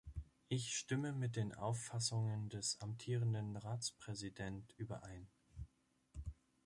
Ich stimme mit den Auffassungen des amtierenden Ratspräsident überein.